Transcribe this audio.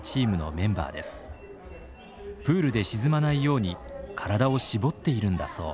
プールで沈まないように体を絞っているんだそう。